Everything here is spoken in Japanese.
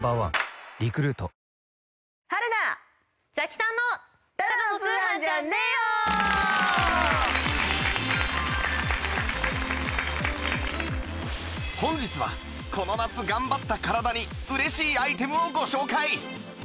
本日はこの夏頑張った体に嬉しいアイテムをご紹介！